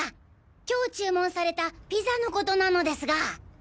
今日注文されたピザのことなのですが。